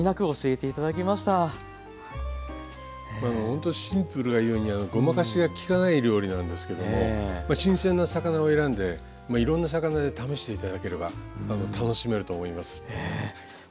ほんとシンプルがゆえにごまかしがきかない料理なんですけども新鮮な魚を選んでいろんな魚で試していただければ楽しめると思います。